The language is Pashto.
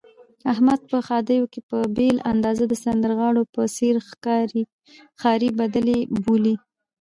احمد په ښادیو کې په بېل انداز د سندرغاړو په څېر ښاري بدلې بولي.